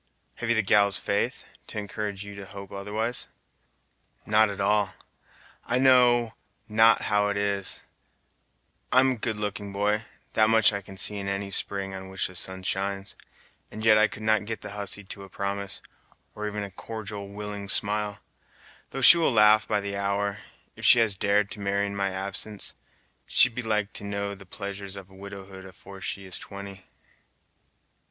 "Have you the gal's faith, to encourage you to hope otherwise?" "Not at all. I know not how it is: I'm good looking, boy, that much I can see in any spring on which the sun shines, and yet I could not get the hussy to a promise, or even a cordial willing smile, though she will laugh by the hour. If she has dared to marry in my absence, she'd be like to know the pleasures of widowhood afore she is twenty!"